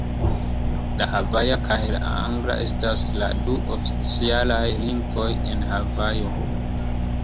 La havaja kaj la angla estas la du oficialaj lingvoj en Havajo.